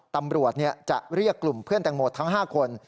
ตำรวจจะเรียกกลุ่มเพื่อนแตงโมทั้ง๕คน